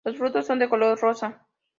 Los frutos son de color rosa.